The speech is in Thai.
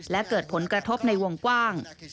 และเกิดผลกระทบในวงกว้าง